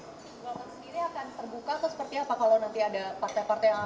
kalau nanti ada partai partai yang akan terbuka